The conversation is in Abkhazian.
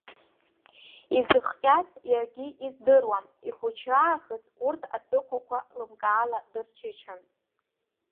Изыхҟьаз иаргьы издыруам ихәыҷраахыс урҭ аҵыхәақәа лымкаала дырчычан.